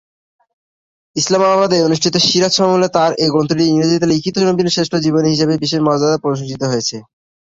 ইসলামাবাদে অনুষ্ঠিত সীরাত সম্মেলনে তার এ গ্রন্থটি ইংরেজিতে লিখিত নবীর শ্রেষ্ঠ জীবনী হিসাবে বিশেষ মর্যাদায় প্রশংসিত হয়েছে।।